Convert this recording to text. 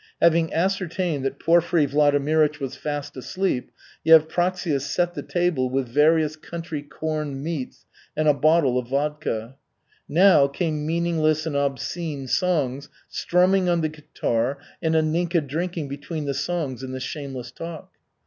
Having ascertained that Porfiry Vladimirych was fast asleep, Yevpraksia set the table with various country corned meats and a bottle of vodka. Now came meaningless and obscene songs, strumming on the guitar, and Anninka drinking between the songs and the shameless talk.